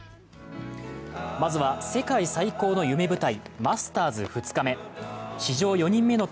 まずは世界最高の夢舞台、マスターズ２日目。